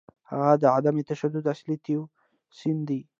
هغه د عدم تشدد اصلي تیوریسن دی.